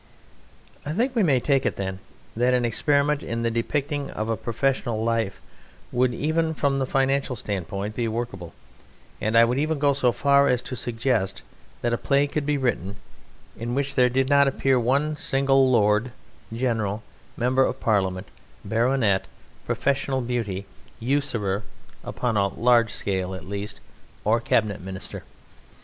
I think we may take it, then, that an experiment in the depicting of professional life would, even from the financial standpoint, be workable; and I would even go so far as to suggest that a play could be written in which there did not appear one single lord, general, Member of Parliament, baronet, professional beauty, usurer (upon a large scale at least) or Cabinet Minister.